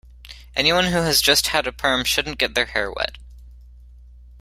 Anyone who has just had a perm shouldn't get their hair wet.